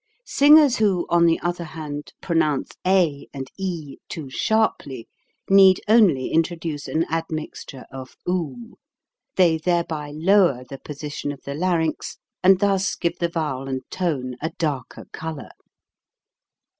Singers who, on the other hand, pronounce a and e too sharply, need only introduce an admixture of do ; they thereby lower the posi tion of the larynx, and thus give the vowel and tone a darker color.